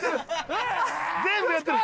全部やってる！